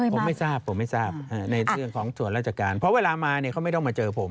ผมไม่ทราบผมไม่ทราบในเรื่องของส่วนราชการเพราะเวลามาเนี่ยเขาไม่ต้องมาเจอผม